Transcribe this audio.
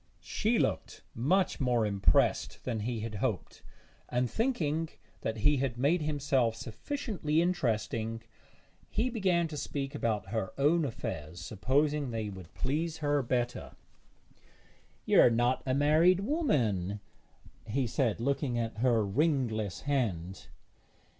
She looked much more impressed than he had hoped; and thinking that he had made himself sufficiently interesting, he began to speak about her own affairs, supposing they would please her better. 'You are not a married woman?' he said, looking at her ringless hand.